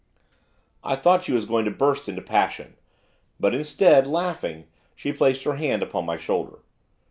I thought she was going to burst into passion. But, instead, laughing, she placed her hand upon my shoulder.